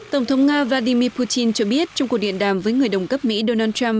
tổng thống nga vladimir putin cho biết trong cuộc điện đàm với người đồng cấp mỹ donald trump